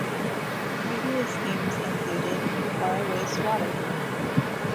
Previous themes included: 'Why waste water?